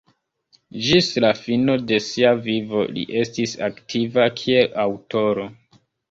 Ĝis la fino de sia vivo, li estis aktiva kiel aŭtoro.